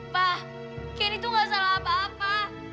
pa candy tuh gak salah apa apa